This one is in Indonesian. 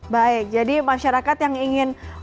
baik jadi masyarakat yang ingin